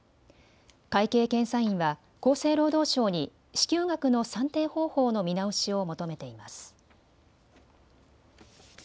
会計検査院は厚生労働省に支給額の算定方法の見直しを求めています。